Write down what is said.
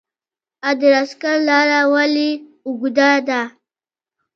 ادرسکن لاره ولې اوږده ده؟